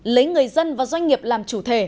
lấy người dân và doanh nghiệp làm chủ thể